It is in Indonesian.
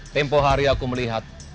tempoh hari aku melihat